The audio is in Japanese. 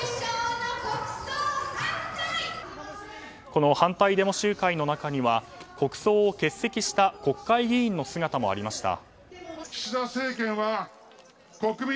この反対デモ集会の中には国葬を欠席した国会議員の姿もありました。